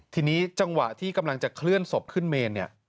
ทีนี้จังหวะที่กำลังจะเคลื่อนศพขึ้นเมนเนี่ย